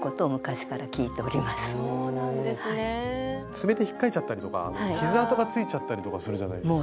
爪でひっかいちゃったりとか傷痕がついちゃったりとかするじゃないですか。